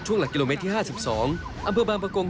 หลักกิโลเมตรที่๕๒อำเภอบางประกง